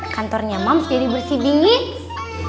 kantornya moms jadi bersih dingin